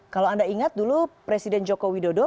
kalau anda ingat dulu presiden joko widodo